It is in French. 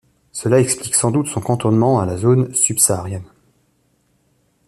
Cela explique sans doute son cantonnement à la zone subsaharienne.